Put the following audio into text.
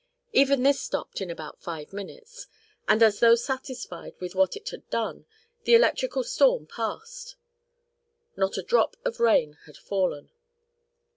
Even this stopped in about five minutes, and, as though satisfied with what it had done, the electrical storm passed. Not a drop of rain had fallen.